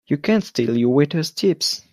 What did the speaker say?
You can't steal your waiters' tips!